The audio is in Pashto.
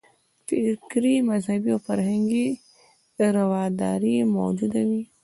فکري، مذهبي او فرهنګي رواداري موجوده وي.